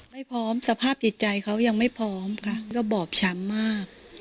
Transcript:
ไม่พร้อมสภาพจิตใจเขายังไม่พร้อมค่ะก็บอบช้ำมาก